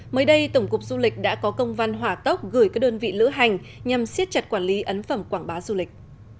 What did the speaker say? mới đây tổng cục du lịch đã có công văn hỏa tốc gửi các đơn vị lữ hành nhằm siết chặt quản lý ấn phẩm quảng bá du lịch